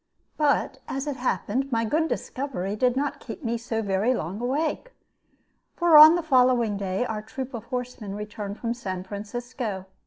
But, as it happened, my good discovery did not keep me so very long awake, for on the following day our troop of horsemen returned from San Francisco.